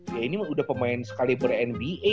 ya ini udah pemain sekali ber nba